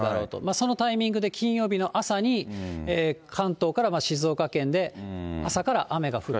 そのタイミングで、金曜日の朝に関東から静岡県で、朝から雨が降ると。